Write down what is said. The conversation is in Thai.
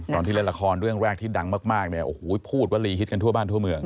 ตอนที่เล่นละครเรื่องแรกที่ดังมากเนี่ยโอ้โหพูดว่าลีฮิตกันทั่วบ้านทั่วเมือง